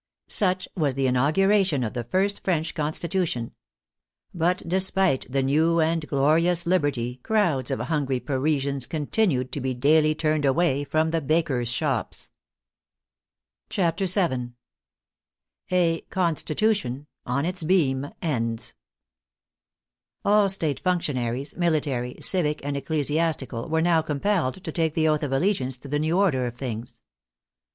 Such was the inauguration of the first French Con stitution! But despite the new and glorious liberty crowds of hungry Parisians continued to be daily turned away from the bakers' shops. CHAPTER VII A " CONSTITUTION " OX ITS BEAM ENDS All state functionaries, military, civic and ecclesiasti cal, were now compelled to take the oath of allegiance to the new order of things.